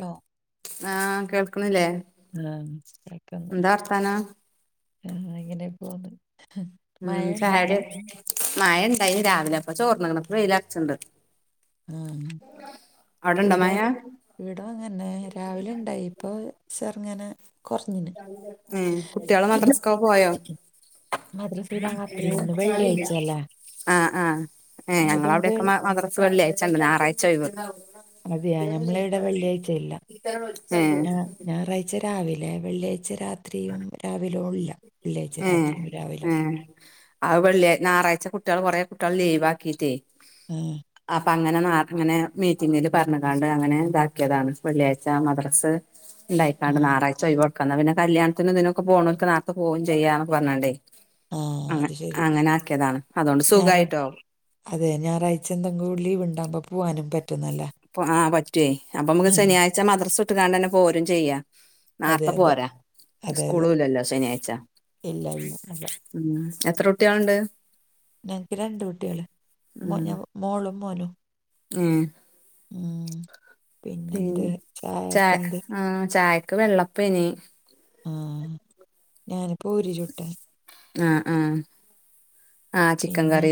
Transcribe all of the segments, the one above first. Law. ആഹ്‌ കേൾക്ക്‌ണില്ലേ? ആ കേൾക്ക്‌ണ്ട്, ആ അങ്ങനെയ പോന്ന്. മഴ ഉം, ഉണ്ടോ ചായൊടി അവിടെ മയ ഇണ്ടായിനി രാവിലെ ഇപ്പ ചോർന്ന്‌ക്ക്ണ് പ്പ വെയിലർച്ച്ണ്ട്. ആ അവടെണ്ടോ മയ? [unintelligible] അങ്ങന്നെ രാവിലണ്ടായി ഇപ്പൊ ചെർങ്ങനെ ഉം, കുട്ടീള മദ്രസ്ക്കൊക്കെ പോയോ? മദ്രസന്ന്‌ രാത്രി ന്ന് വെള്ളിയായിച്ചല്ലേ. ആഹ്‌ ആ ഏ ഞങ്ങളെ ഔടെക്കെ മദ്രസ് വെള്ളിയാച്ചണ്ട് ഞാറായ്ച്ചേ ഒഴിവ്. അതെയാ, ഞമ്മളെവിടെ വെള്ളിയാഴ്ചയില്ല, ഏഹ് ആ ഞാറായ് ച്ച രാവിലെ വെള്ളിയാഴ്ച രാത്രിയും രാവിലുംല്ല വെള്ളിയാഴ്ച രാത്രിയും രാവിലും [inaudible] ആ വെള്ളി ഞായറാഴ്ച്ച കുട്ടീള് കൊറേ കുട്ടീള് ലീവാക്കീറ്റെയ്. ഉം. അപ്പൊ അങ്ങനെ അങ്ങനെ മീറ്റിങ്ങില് പറഞ്ഞ്ങ്ങാണ്ട് അങ്ങനെ താക്കിയതാണ് വെള്ളിയാഴ്ച മദ്രസ്. ആ ണ്ടായിക്കാണ്ട് ഞായറാഴ്ച ഒയിവ് കൊട്ക്കാ ന്നാ പിന്നെ കല്യാണത്തിന് ദിനൊക്കെ പോണോൽക്ക് നേർത്തെ പോകും ചെയ്യാന്നൊക്കെ പറഞ്ങ്ങാണ്ടേയ്. ആ അ അത് ശരി അങ്ങനെ ആക്കിതാണ് അതോണ്ട് ഞായറാ സുഖായിട്ടോ. അതെ, ഞായറാഴ്ച ന്തെങ്കും ലീവ് ഉണ്ടാവുംമ്പോ പോവ്വാനും പറ്റുന്നല്ലാ. ആ പറ്റോയ്. അപ്പൊ ഞമ്മക്ക് ശനിയാഴ്ച്ച മദ്രസ് വിട്ട്കാണ്ട് തന്നെ പോരും ചെയ്യാ. അതെ ന്നാർത്തെ അതെ പോരാ, അതെ അതെ സ്കൂളും ഇല്ലല്ലോ ശനിയാഴ്ച. ഇല്ല ഇല്ല അല്ല ഉം. എത്ര കുട്ടിയാള്ണ്ട്? ഞങ്‌ക്ക് രണ്ട് കുട്ടിയാള്. ഞ മോളും മോനും. ഏ.? ! ഉം. പി, പിന്നെന്ത് ചാ, ചായക്കെന്ത് ആ.. ചായക്ക് വെള്ളപ്പേയ്നി. ആഹ്. ഞാന് പൂരി ചുട്ടേ. ആഹ്, ആഹ്. പിന്നെ,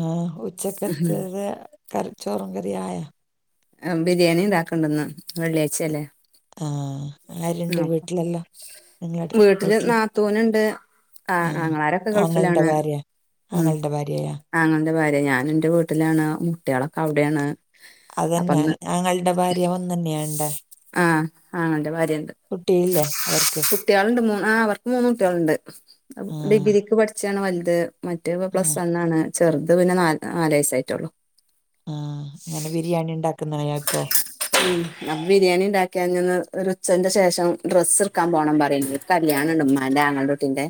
ആ ഉച്ചക്കത്തെത് കറി, ചോറും കറി ആയോ? ബിരിയാണി ണ്ടാക്ക്‌ണ്ട് ന്ന്. വെള്ളിയാഴ്ച അല്ലേ. ! ആഹ്. ആരുണ്ട് വീട്ടിലെല്ലാം? നിങ്ങട് വീട്ടില്? നാതൂന്ണ്ട്. ആ.. ആങ്ങളാരൊക്കെ ആങ്ങളുടെ ഗൾഫിലാണ്. ഭാര്യ ഉം. ആങ്ങളുടെ ഭാര്യയാ ആങ്ങളന്റെ ഭാര്യ. ഞാൻ ന്റെ വീട്ടിലാണ്, കുട്ടിയാളൊക്കെ അവിടേണ്. അതന്നെ അപ്പന്ന്, ആങ്ങളുടെ ഭാര്യ ഒന്ന് തന്നെയാണ്ടെ ആഹ്, ആങ്ങളന്റെ ഭാര്യണ്ട്. കുട്ടിയില്ലേ അവർക്ക് കുട്ടിയാള്ണ്ട്, മൂന്ന് ആഹ്, അവർക്ക് മൂന്ന് കുട്ടിയാളുണ്ട്. ആ ഡിഗ്രിക്ക് പഠിച്ചാണ് വൽത്. മറ്റേ പ്പം ആ പ്ലസ് വണ്ണ് ആണ്. ചെറുത് പിന്നെ, നാ നാലയ്സായിട്ടുള്ളു. ആഹ്. അങ്ങനെ ബിരിയാണി ഉണ്ടാക്കുന്ന [unintelligible] ഇപ്പൊ? ഉം. ന്ന് ബിരിയാണി ഉണ്ടാക്ക [unintelligible] ഒര് ഉച്ചന്റെ ശേഷം, ഡ്രസ് ഇട്ക്കാൻ പോണം പറിണ്ട്. കല്യാണം ണ്ട്, മ്മാന്റെ ആങ്ങളന്റെ കുട്ടീന്റെ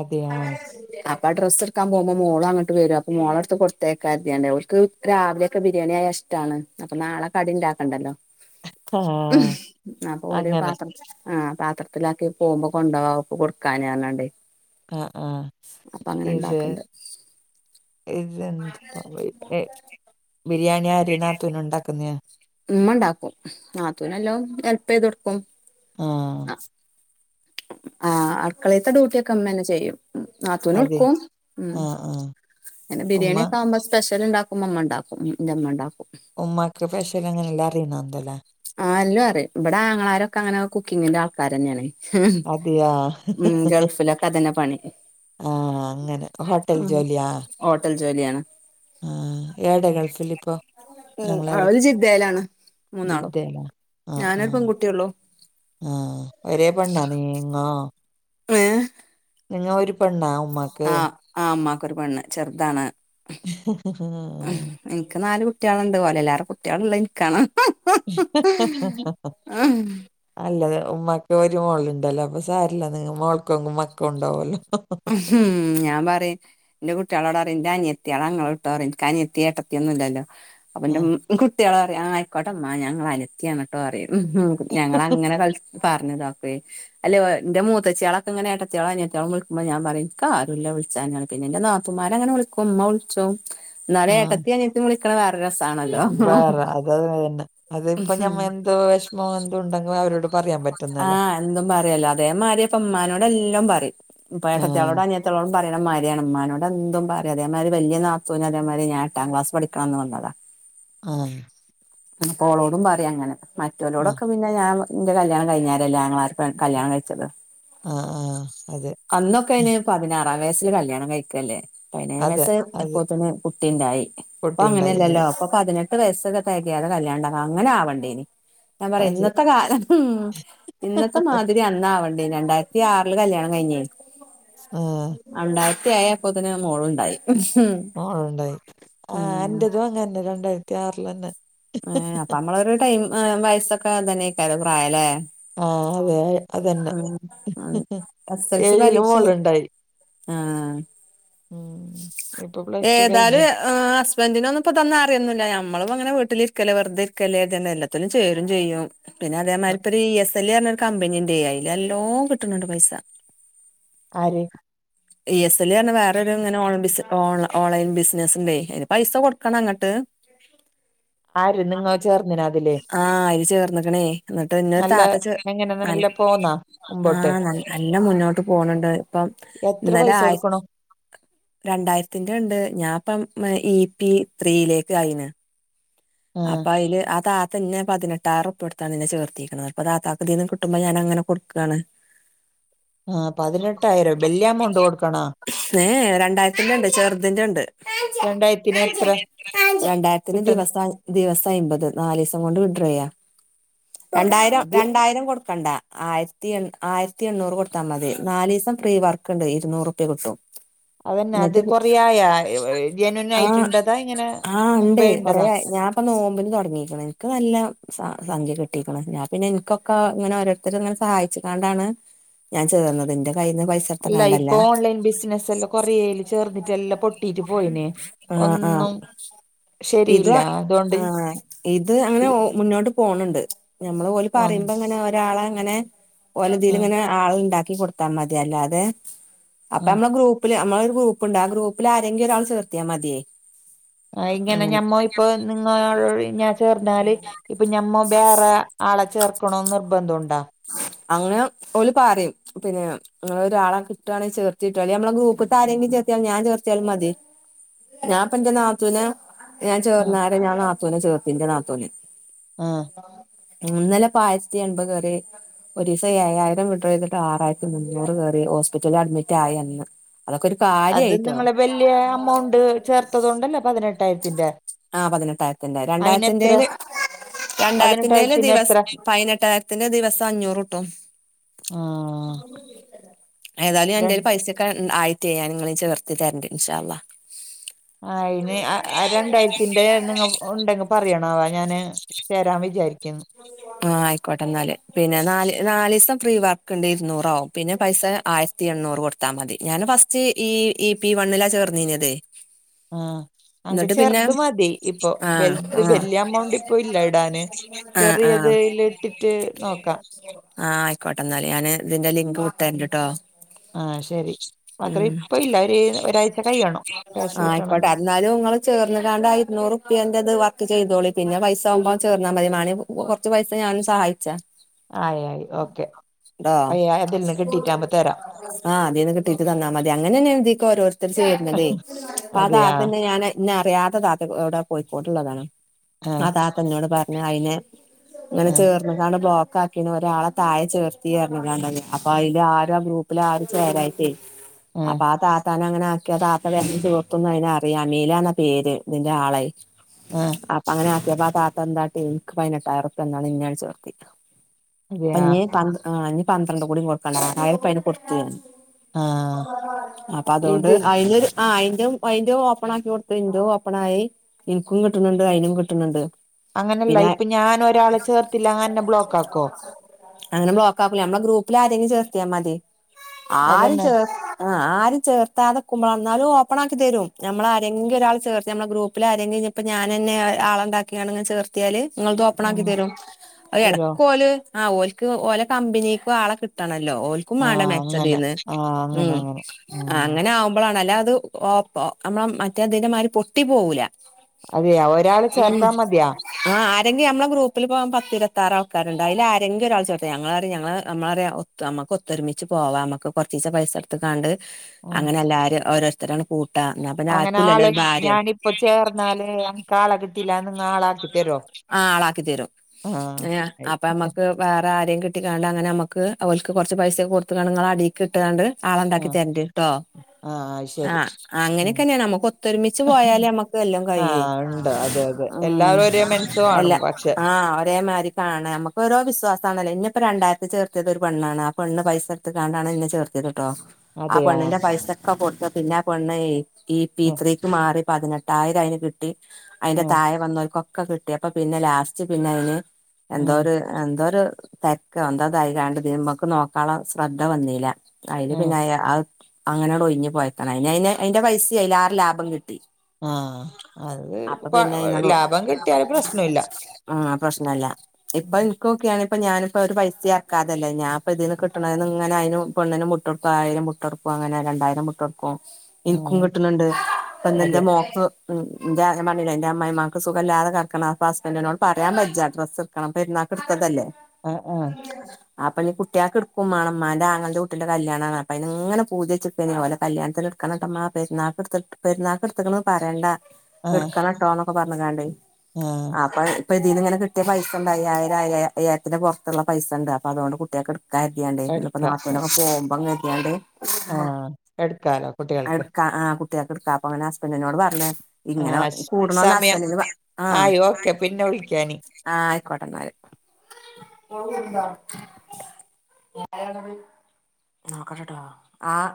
അതെയാ അപ്പൊ ഡ്രസ് ഇട്ക്കാൻ പോമ്പോ മോള് അങ്ങട്ട് വരും, അപ്പോ മോളെട്ത്ത് കൊടുത്തയക്കാര്ത്യാണ്ടേയ്, ഓല്ക് രാവിലെക്കെ ബിരിയാണി ആയ ഇഷ്- ഷ്ടാണ്, അപ്പൊ നാളെ കടി ണ്ടാക്കണ്ടല്ലോ. ! ആഹ്... അപ്പൊ ഒരു പാത്ര, ആഹ്. പാത്രത്തിലാക്കി പോകുമ്പോ കൊണ്ടോവാ ഓക്ക് കൊടുക്കാന് പറഞാൻണ്ടേയ്. ആഹ് ആഹ് അപ്പൊ അങ്ങനെ ഇത് ണ്ടാക്ക്ണ്ട്. [unintelligible] ബിരിയാണി ആര് നാത്തൂന് ഉണ്ടാക്കുന്നെയാ? മ്മ ണ്ടാക്കും. നാത്തൂന് എല്ലാം ഹെല്പ് ചെയ്ത് കൊടുക്കും. ആഹ് ആഹ്, അട്ക്കളെത്തെ ഡ്യൂട്ടിയൊക്കെ മ്മന്നെ ചെയ്യും. ഉം. നാത്തൂനും അതെ ഇട്ക്കും. ഉം. ആഹ് ആഹ് പിന്നെ, ഉമ്മ ബിരിയാണിയൊക്കെ ആവുമ്പോ സ്പെഷ്യൽ ണ്ടാ ഉമ്മമ്മ ണ്ടാക്കും, ന്റെമ്മ ണ്ടാക്കും. ഉമ്മാക്ക് പെഷ്യൽ അങ്ങനെ എല്ലാം അറിയും എന്തല്ലേ? ആഹ്, എല്ലൊം അറിം. ഇബടെ ആങ്ങളാരൊക്കെ അങ്ങനെ കുക്കിങ്ങിന്റെ ആൾക്കാരെന്നെ ആണ്. ഹ് ഹും. അതെയാ ഉം, ഗൾഫിലൊക്കെ അതന്നെ പണി. ആഹ്, അങ്ങനെ. ഹോട്ടൽ ഉം ജോലിയാ? ഹോട്ടൽ ജോലിയാണ്. ആഹ്. ഏടെ ഗൾഫിലിപ്പോ? ഉം ആങ്ങളാര്, അവര് ജിദ്ദയിലാണ് മൂന്നാളും ജിദ്ദേ? ജിദ്ദേലാ. ആഹ്.. ഞാനൊരു ആഹ്. പെൺകുട്ടിയുള്ളൂ ആഹ്, ഒരേ പെണ്ണാ നീങ്ങോ? ഏ...? നിങ്ങ ഒരു പെണ്ണാ ഉമ്മാക്ക്? ആ മ്മക്കൊരു പെണ്ണ്, ചെറുതാണ്. [unintelligible] ഇന്ക് നാല് കുട്ടിയാളുണ്ട്, ഓലെലാറെ കുട്ട്യാൾള്ളത് ഇൻകാണ്. ഉം [unintelligible] നല്ലത്. ഉമ്മക്ക് ഒരു മോളുണ്ടല്ലോ. അപ്പൊ സാരല്ല നിങ്ങ മോൾക്കെന്നും മക്കളുണ്ടാവല്ലോ. ! ഹും. ഞാൻ പറിം, ന്റെ കുട്ടിയാളോട് പറിം ന്റനിയത്തിയാളങ്ങള് ട്ടോറിം. ഇൻകനി ത്തി, ഏട്ടത്തി ഒന്നും ഇല്ലല്ലോ! അപ്പന്റെ ആഹ് കു കുട്ട്യാൾ പറിം, ആയിക്കോട്ടെമ്മ ഞാൻ ങ്ങളെ അനിയത്തിയാണ് ട്ടോറിം. ഹും ഞങ്ങളങ്ങനെ കളി പറഞ്ഞതാപ്പെയ്, അല്ലേയ് ന്റെ മൂത്തച്യാളൊക്കെ ഇങ്ങനെ ഏട്ടത്തിയാളും അനിയത്തിയാളും വിളിക്ക് മ്പം ഞാൻ പറിം ഇൻക്ക് ആരുല്ല വിളിച്ചാന് [unintelligible] പിന്നെന്റെ നാത്തൂൻമാരങ്ങനെ വിളിക്കും ഇമ്മ വിളിച്ചും ഇന്നാലും ആഹ് ഏട്ടത്തിം അനിയത്തിം വിളിക്കണത് വേറെ രസാണല്ലോ. വേറെ അതെ അതെന്നെ അതിപ്പ ഉഹും. ഞമ്മ എന്ത് വെഷമം എന്തുണ്ടെങ്കി അവരോട് പറയാൻ പറ്റുന്നല്ലേ ആഹ് എന്തും പറ്യാലോ അതേമാരിയപ്പമ്മാനോട് എല്ലോം പറിം. പ്പ ആഹ് ഏട്ടത്യാളോടും അനിയത്യാളോടൊന്നും പറയ്ണ മാര്യാണ്. ഇമ്മാനോട് എന്തും പറയ അതേമാതിരി വല്യ നാത്തൂന് അതേമാതിരി ഞാൻ എട്ടാം ക്ലാസ് പഠിക്ക്ണ അന്ന് വന്നതാ. [inaudible] ആഹ് പിന്നെ പ്പോളോടും പറിം അങ്ങനെ ആഹ് മറ്റൊലോടൊക്കെ പിന്നെ ഞാൻ ഇന്റെ കല്യാണം കഴിഞ്ഞാരല്ലേ ആങ്ങളാരൊക്കെ കല്യാണം കഴിച്ചത്. ആഹ് ആഹ് അതെ. അന്നൊക്കെ അയിന് പതിനാറാം വയസ്സില് കല്യാണം കഴിക്കല്ലേ. അതെ പയ്നേഴാംവയസ്സ് അതെ അപ്പോത്തിന് കുട്ടിണ്ടായി ഇപ്പൊ കുട്ടിയുണ്ടായി അങ്ങനല്ലല്ലോ. അതെ ഇപ്പം പതിനെട്ട് വയസ്സൊക്കെ തെകയാതെ കല്യാണണ്ടാക്ക, അങ്ങനെ ആവണ്ടേനി ഞാൻ പറയാ അതെ ഇന്നത്തെ കാലം ഹും ഇന്നത്തെ മാതിരി അന്നാവണ്ടീനി. രണ്ടായിരത്തി ആറില് കല്യാണം കഴിഞ്ഞെയ്. ആഹ് അണ്ടായ്രത്തി ഏയായ്പ്പോത്തിന് മോളുണ്ടായി. മോളുണ്ടായി. ഹ് ഉം എന്റതും അങ്ങനന്നെ രണ്ടായിരത്തി ആറിലന്നെ. ഏഹ് അപ്പൊ നമ്മളൊരു ടൈം ആം വയസ്സൊക്കെ തന്നേക്കാരം പ്രായ ലേ. ആഹ് അതെ അതന്നെ ആഹ് ഉം എസ് എൽ സി ഏഴില് പരീക്ഷ മോളുണ്ടായി ആഹ് ഉം ഇപ്പൊ പ്ലസ് ടു ഏതായാലും കഴിഞ്ഞത് ആഹ് ഹസ് ബെൻ്റിനൊന്നും ഇപ്പതൊന്നും അറിയൊന്നുല്ല. ഞമ്മളും അങ്ങനെ വീട്ടിലിരിക്കല്ലേ വെർതെ ഇരിക്കല്ലേര്തിയാണ്ട് എല്ലത്തിലും ചേരും ചെയ്യും. പിന്നെ ആ, അതേമായ്രി ഇപ്പൊര് ഇ എസ് എൽ പർഞ്ഞൊരു കമ്പനിണ്ടേ. അയ്ല് നല്ലോ കിട്ടണ് ണ്ട് പൈസ. ആര്? ഇ എസ് എൽ പർഞ്ഞാ വേറൊരു ഇങ്ങനെ ഓൺ ബിസ് ഓൺലാ ഓൺലൈൻ ബിസിനസ്സ്ണ്ടെയ്. അയ്ന് പൈസ കൊടുക്കണം അങ്ങട്ട്. ആര് നിങ്ങ ചേർന്നിന അതില് ആഹ് അയ്ല് ചേർന്ന്ക്ണേ എന്നിട്ട് ഇന്നൊരു നല്ല താത്ത ചേർ എങ്ങനെ നല്ല പോന്നാ മുമ്പോട്ട് ആഹ് നൽ നല്ലം മുന്നോട്ട് പോണ് ണ്ട് ഇപ്പം. എത്ര ഇന്നലെ പൈസ ആയി കൊടുക്കണു രണ്ടായിരത്തിന്റെണ്ട് ഞാൻ ഇപ്പം ഇ പി ത്രീയിലേക്ക് ആയിണ്. ആഹ് അപ്പ അയ്ല് ആ താ ത്തന്നെ പതിനെട്ടായിരം ഉറുപ്പ്യ കൊടുത്താണ് ന്നെ ചേർത്തിക്ണത്. ഇപ്പൊ താത്താക്ക് ഇതീന്ന് കിട്ടുമ്പം ഞാനങ്ങനെ കൊടുക്കാണ്. ആഹ് പതിനെട്ടായിരം ബല്യ അമൗണ്ട് കൊടുക്കണ ഏഹ് എ രണ്ടായിരത്തിന്റെണ്ട് ചെറുതിന്റെണ്ട്. രണ്ടായിരത്തിന് എത്ര രണ്ടായിരത്തിന് കിട്ടും ദിവസ് [unintelligible] ദിവസം അയ്മ്പത് നാലീസം കൊണ്ട് വിഡ്രോ ചെയ്യാ. രണ്ടായിരം അത് രണ്ടായിരം കൊടുക്കണ്ട. ആയിരത്തി എൺ ആയിരത്തി എണ്ണൂറ് കൊടുത്താ മതി. നാലീസം പ്രീ വർക്ക്ണ്ട് ഇരുന്നൂറുപ്യ കിട്ടും. അതന്നെ അത് എന്നിട്ട് കൊറെ ആയാ. ജെനുവൻ ആയിട്ട് ആഹ് ഇണ്ടതാ ഇങ്ങനെ മുമ്പേ ഇണ്ടതോ. ഞാപ്പം നോമ്പിന് തൊടങ്ങീക്ക്ണ്. ഇൻക്ക് നല്ല സംഖ്യ കിട്ടീക്ക്ണ് ഞാൻ പിന്നെ ഇൻക്കൊ ക്കാ ഇങ്ങനെ ഓരോരുത്തര്ങ്ങനെ സഹായിച്ച്ക്കാണ്ടാണ് ഞാൻ ചേർന്നത്. ഇന്റെ കയ്ന്ന് പൈസ അല്ല ഇട്ത്ത്ക്കാണ്ടല്ല ഇപ്പ ഓൺലൈൻ ബിസിനസ്സ് എല്ലും കൊറേ യില് ചേർന്നിട്ട് എല്ലം പൊട്ടീട്ട് പോയിണ്. ആഹ് ആഹ് ഇതു ആഹ് അതുകൊണ്ട് ആഹ് ഇത് അങ്ങനെ ഓ മുന്നോട്ട് പോണ് ണ്ട്. നമ്മള് ഓല് പോന്നു പറിമ്പങ്ങനെ ഒരാളങ്ങനെ ആഹ് ഓലതിലിങ്ങനെ ആള്ണ്ടാക്കി കൊടുത്താ മതി. അല്ലാതെ അപ്പൊ ആഹ് നമ്മളെ ഗ്രൂപ്പില് നമ്മളൊരു ഗ്രൂപ്പുണ്ട് ആ ഗ്രൂപ്പിൽ ആരെങ്കിലൊരാൾ ചേർത്തിയാ മതിയേ. ആ ഇങ്ങനെ അങ്ങനെ ഞമ്മ ഇപ്പൊ നിങ്ങ ഞാൻ ചേർന്നാല് ഇപ്പൊ ഞമ്മ ബേറെ ആളെ ചേർക്കണോ ന്ന് നിർബന്ധ ഉണ്ടോ? അങ്ങനെ ഓല് പറിം. പിന്നെ ഇങ്ങളൊരാള കിട്ടാണെ ചേർത്തിട്ടാളീ. നമ്മളെ ഗ്രൂപ്ത്തെ ആരെങ്കി ചേർത്ത്യാ ഞാൻ ചേർത്ത്യാലും മതി. ഞാപ്പ എന്റെ നാത്തൂന ഞാൻ ആഹ് ചേർന്നാര ഞാൻ നാത്തൂനെ ചേർത്തു എന്റെ നാത്തൂനെ. ആഹ് ഇന്നലെപ്പ ആയിരത്തി എൺപത് വരെ ഒരീസം ഏഴായിരം വിഡ്രോ ചെയ്തിട്ട് ആറായിരത്തി മുന്നൂറ് കേറി ഹോസ്പിറ്റലിൽ അഡ്മിറ്റ് ആയ അന്ന് അതൊക്കെ ഒരു കാ അത് നിങ്ങള് വല്യ എമൗണ്ട് ചേർ [unintelligible] പതിനെട്ടായിരത്തിന്റെ ആ അയിനെത്ര രണ്ടായിരത്തിന്റെൽ പതിനെട്ടായിരത്തിന് ദിവസ് എത്ര പതിനെട്ടായിരത്തിന്റെ ദിവസം അഞ്ഞൂറ് കിട്ടും ഏതായാലും ര എന്റെല് പൈസേക്ക മ് ആയി [unintelligible] ഞാൻ ഇങ്ങളേം ചേർത്തു തരണ്ട് ഇൻഷാ അല്ലാഹ് അയ്ന് ആഹ് ആഹ് രണ്ടായിരത്തിന്റെ നിങ്ങ ഉണ്ടെങ്കി പറയണവാ ഞാന് തരാവെ വിചാരിക്കും അക്ക ആഹ് ആയിക്കോട്ടെ എന്നാല്. പിന്നെ നാല് നാലീസം ഫ്രീ വർക്ക് ഉണ്ടായിരുന്നു. [unintelligible] പിന്നെ പൈസ ആയ സ് [unintelligible] എണ്ണൂറ് കൊടുത്താ മതി ഞാന് ഫസ്റ്റ് ഈ ഈ പി വണ്ണിലാ ചേർന്നീഞ്ഞത് ആഹ്. അങ്കി ചെറുത് മതി ഇപ്പൊ ആഹ് വലുത് ആഹ് വല്യ എമൗണ്ട് ഇപ്പോ ഇല്ല ഇടാന് ആഹ് ചെറിയ ഇത് ആഹ് ല് ഇട്ടിട്ട് നോക്കാം ആഹ് ആയിക്കോട്ടെ എന്നാല്. ഞാന് ഇതിന്റെ ലിങ്ക് വിട്ട് തരണ്ട്ട്ടോ ആഹ് ശെരി മാത്ര ഇപ്പ ഇല്ല ഒരു ഒരാഴ്ച കൈയണം ആഹ് കാശ് ആയിക്കോട്ടെ കിട്ടണങ്കി എന്നാലും ഇങ്ങള് ചേർന്നിടാണ്ട് ആ ഇരുന്നൂറു റുപ്യന്റെത് വർക്ക് ചെയ്തോളീം പിന്നെ പൈസ ആകുമ്പം ചേർന്നാ മതി [unintelligible] കൊറച്ച് പൈസ ഞാനും സഹായിച്ചാ ആയി ആയി ഓക്കെ. ട്ടോ [unintelligible] കിട്ടിട്ട് ആകുമ്പ തരാം ആഹ് അതീന്ന് കിട്ടീട്ട് തന്നാ മതി അങ്ങനെ തന്നെ ഇതീക്ക് ഓരോരുത്തര് ചേരുന്നതേ [unintelligible] അതെയാ ആതന്നെ ഞാനായ് എന്നെ അറിയാത്ത താത്ത ഇവിടെ കോഴിക്കോട് ഉള്ളതാണ്. ആ ആഹ് താത്ത എന്നോട് പറഞ്ഞു അയിന് ഇങ്ങള് ആഹ് ചേർ [unintelligible] ബ്ലോക്ക് ആക്കീന് ഒരാളെ താഴേ ചേർത്തി പറഞ്ഞു ഞാൻ. [unintelligible] അപ്പൊ അയില് ആര ഗ്രൂപ്പില് ആരും ചേരായിട്ടേ ആഹ് അപ്പൊ ആ താത്താ [unintelligible] അങ്ങനെ ആക്കി ആ താത്ത [unintelligible] അതിനു അറിയാം മീല എന്ന പേര് ഇതിന്റെ ആളെ ആഹ് അപ്പൊ അങ്ങനെ ആക്കിയപ്പാ ആ താത്ത എന്താട്ടി എനിക്ക് പതിനെട്ടായിരം റുപിയ തന്നാണ് ഇന്നങ്ങട് ചേർത്തി ഇപ്പ അതെയാ ഇനി പന്ത് ഏഹ് ഇനി പന്ത്രണ്ട് കൂടി [unintelligible] ആയിരം റുപ്പിയ അതിനു കൊടുത്തു ഞാന് ആഹ് അപ്പൊ അതൊണ്ട് ഇത് അയിന്നൊരു ആഹ് അയിന്റെ, അയിന്റെ ഓപ്പൺ ആക്കി കൊടുത്ത് എന്റെയും ഓപ്പണായി എനിക്കും കിട്ടുന്നുണ്ട് അയിനും കിട്ടുന്നുണ്ട് അങ്ങനെയല്ല പിന്നെ ഇപ്പൊ ഞാന് ഒരാളെ ചേർത്തില്ല അങ്ങനെന്നെ ബ്ലോക്ക് ആക്കോ അങ്ങനെ ബ്ലോക്ക് ആക്കൂല നമ്മള ഗ്രൂപ്പില് ആരെങ്കിലും ചേർത്തിയാൽ മതി ആരും അതന്നെ ചേർ ആഹ് ആരും ചേർത്താതെ നിക്കുമ്പള എന്നാലും ഓപ്പൺ ആക്കി തരും നമ്മള ആരെങ്കിലും ഒരാള് ചേർത്ത് നമ്മള ഗ്രൂപ്പിൽ [unintelligible] ഇപ്പൊ ഞാനന്നെ ഏഹ് ആളെ ഉണ്ടാക്കി [unintelligible] ചേർത്തിയാല് നിങ്ങളത് ഓപ്പൺ ആക്കി ആഹ് തരും അയ് തരോ എടക്ക് ഓല് ആഹ് ഓൽക്ക് ഓല കമ്പനിക്കും ആളെ കിട്ടണല്ലോ ഓൽ [unintelligible] വേണ്ടേ ആഹ് അങ്ങനെ മെച്ചതീന്ന് ആഹ് അങ്ങനെ ഉം അങ്ങനെ ഉം അങ്ങനെ ആവുമ്പോളാണ് അല്ല അത് [unintelligible] നമ്മള മറ്റേ ഇതിനെ മാതിരി പൊട്ടി പോവൂല അതെയാ ഒരാളെ ചേർത്താ മതിയാ [unintelligible] [unintelligible] നമ്മള ഗ്രൂപ്പിലിപ്പ പത്തു ഇരുപത്താറ് ആൾക്കാരുണ്ട്. അയിലു ആരെങ്കിലും ഒരാള് ചേർത്താ ഞങ്ങളറിയ ഞങ്ങള് നമ്മളറിയാ ഒ [unintelligible] അമ്മക്ക് ഒത്തൊരുമിച്ച് പോവാം നമക്ക് കുറചീസം പൈസട് [unintelligible] ഉം അങ്ങനെ എല്ലാരും ഓരോരുത്തരാണ് കൂ അങ്ങനെ ആള് ഞാനിപ്പോ ചേർന്നാലേ നമുക്ക് ആളെ കിട്ട് [unintelligible] അതിനൊന്നു ആള ആക്കി തരോ ആ ആളാക്കി തരും ഏ ആഹ് ആയി അപ്പൊ നമ്മക്ക് വേറെ ആരേം കിട്ടിക്കാണ്ട് അങ്ങനെ അമ്മക്ക് അവൽക്ക് കൊറച്ച് പൈസ കൊടുത്ത് [unintelligible] നിങ്ങള അടീ കിട്ടണണ്ട് ആള ഉണ്ടാക്കി തരണ്ടീട്ടോ ആഹ് ആഹ് ശെ ആഹ് അങ്ങനെയൊക്കന്നെയാണ് നമ്മുക്ക് ഒത്തൊരുമിച്ച് പോയാലേ നമ്മക്ക് എല്ലൊം കയ്യൊ ആഹ് അതെ അതെ. ആഹ് എല്ലാവരും ഒരേ മനസ്സ് അല്ല കാണും പക്ഷെ ആ ആഹ് ഒരേ മാരി കാണാ നമ്ക്ക് ഓരോ വി്സ്വാസാണല്ലോ ഇന്നപ്പോ രണ്ടായിരത്തി ചേർത്ത്യത് ഒരു പെണ്ണാണ് ആ പെണ്ണ് പൈസ [unintelligible] ഇന്നെ ചേർത്ത്യത്ട്ടോ. ആ അതെയാ പെണ്ണ്ന്റെ പൈസെക്കെ കൊടുത്ത് പിന്നെ ആ പെണ്ണെ ഉം [unintelligible] മാറി പതിനെട്ടായിരം അയ്ന് കിട്ടി. ഉം [unintelligible] വന്നോൽകൊക്കെ കിട്ട്യാപ്പം പിന്നെ ലാസ്റ്റ് പിന്നെ അയ്ന് ഉം എന്തോര് ആ എന്തോര് തെക്കോ എന്താ തായികാണ്ട് ഇതിമക്ക് നോക്കാൻള സ്രദ്ധ വന്നീല്ല. അയ്ല് ഉം പിന്നെ അയാ അഹ് അങ്ങനാട് ഒയ്ഞ്ഞ് പോയക്ക അയ്ഞ്ഞയ്ഞ്ഞ് അയ്ന്റെ പൈസിം അയ്ലേറെ ലാഭം കിട്ടി. ആഹ് അപ്പൊ പിന്നെ അത് അയിനാണ്ട് ലാഭം കിട്ട്യാല് പ്രശ്നല്ല. ആഹ് പ്രശ്നല്ല. ഇപ്പൊ ഇൻകോക്യാണി ഇപ്പം ഞാനിപ്പോ ഒര് പൈസിം എർക്കാതല്ലേ ഞാപ്പം ഇതീന്ന് കിട്ട് ണേന്ന്ങ്ങനെ അയ്നും പെണ്ണ്നും മു വിട്ടൊടുക്കും ആയിരം വ്ട്ടൊട്ക്കും അങ്ങനെ രണ്ടായിരം വ്‌ട്ടൊട്ക്കും. ഇന്ക്കും ആഹ് ക്‌ട്ട്ണ്ണ്ണ്ട് പ്പന്ന്ന്റെ അതെ മോൾക്ക് മ് ഇന്റെ ല്ലെ ഇന്റെ അമ്മായിമാക്ക് സുഖമല്ലാതെ കട്ക്ക്ണ അപ്പം ഹസ്ബന്റ്നോട്‌ പറ്യാൻ ബെജ്ജ ഡ്രസ് എടുക്കണംപെര്ന്നാൾക്ക്‌ ഇട്ത്തതല്ലേ. ആ ആ [inaudible] അപ്പഞ്ഞ് കുട്ട്യാൾക്ക്ട്ക്കും മാണം ഇമ്മാന്റെ ആങ്ങൾന്റെ കുട്ടിന്റെ കല്യാണാണ് അപ്പയ്ന്ങ്ങനെ പൂത്യാ ച്ക്കെനി ഓലെ കല്യാൺതിന് ഇട്‌ക്കണട്ടമ്മാ പെര്ന്നാൾക്ക്‌ട്ത് പെര്ന്നാൾക്ക്ട്ത്ത്ക്ക്ണ്ന്ന് പറ്യണ്ട. ആഹ്. ആട്ടോ ന്നൊക്കെ പർഞ്ഞ് കാണ്ടേ. ആഹ്. അപ്പൊ ഇപ്പൊ ഇതീന്ന്ങ്ങനെ കിട്ട്യാ പൈസണ്ട് അയ്യായിരം അയ്യാ അയായിര്തിന്റെ പൊർത്ത്ള്ള പൈസ ഇണ്ട് അപ്പതോണ്ട് കുട്ട്യാക്ക് ഇട് എട്ക്കര്‌ത്യാണ്ട് ഇന്ന്പ്പം എടുക്കാം ആ നാത്തൂനൊ ക്കെ പോവുമ്പം കര്ത്യാണ്ട് ആ, എടുക്കാലോ ആ കുട്ടികൾക്ക് ഇട്ക്ക ആ കുട്ട്യാക്ക്ട്ക്കാ അപ്പൊങ്ങനെ ഹസ്ബന്റ്നോട‌ ർഞ്ഞ് ആഹ് സമയം ആയോ ക്യാ പിന്നെ വിളിക്യാനി. ആഹ് അയ്ക്കോട്ടെന്നാല്. നോക്കട്ടെട്ടോ ആഹ്.